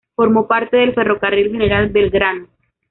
Formó parte del Ferrocarril General Belgrano.